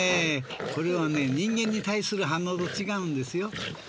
これは人間に対する反応と違うんですよ。